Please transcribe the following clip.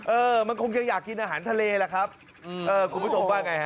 เออมันคงจะอยากกินอาหารทะเลแหละครับเออคุณผู้ชมว่าไงฮะ